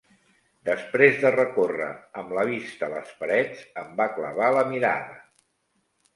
Després de recórrer amb la vista les parets em va clavar la mirada.